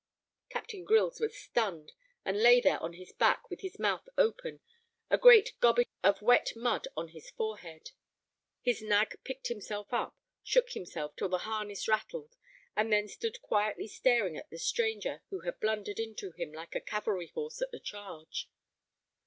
Captain Grylls was stunned, and lay there on his back with his mouth open, a great gobbet of wet mud on his forehead. His nag picked himself up, shook himself till the harness rattled, and then stood quietly staring at the stranger who had blundered into him like a cavalry horse at the charge.